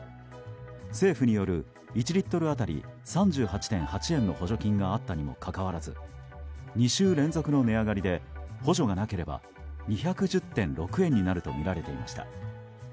政府による１リットル当たり３８．８円の補助金があったにもかかわらず２週連続の値上がりで補助がなければ２１０．６円になるとみられていました。